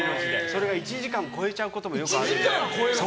それが１時間超えちゃうこともよくあって。